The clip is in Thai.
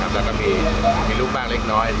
เพราะว่าเมืองนี้จะเป็นที่สุดท้าย